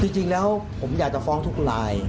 จริงแล้วผมอยากจะฟ้องทุกลาย